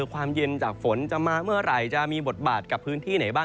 ความเย็นจากฝนจะมาเมื่อไหร่จะมีบทบาทกับพื้นที่ไหนบ้าง